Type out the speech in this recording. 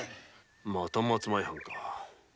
また松前藩か。